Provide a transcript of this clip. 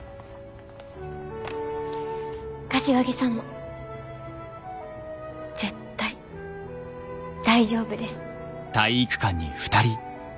柏木さんも絶対大丈夫です。